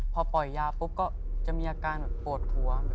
พอปล่อยยาปุ๊บก็จะมีอาการแบบปวดหัว